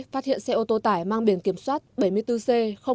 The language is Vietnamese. phát hiện xe ô tô tải mang biển kiểm soát bảy mươi bốn c hai nghìn tám trăm bảy mươi tám